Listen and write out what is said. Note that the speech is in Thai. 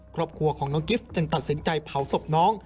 ครอบครัวของน้องกิฟต์จึงตัดสินใจเผาศพน้อง